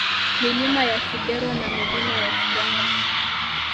Milima ya Kidero na Milima ya Kiganga